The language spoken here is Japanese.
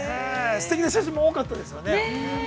◆すてきな写真も多かったですね。